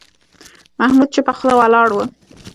محمود چوپه خوله ولاړ و.